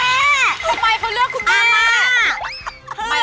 ทำไมเขาเลือกคุณแม่